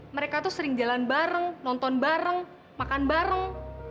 mereka tuh sering jalan bareng nonton bareng makan bareng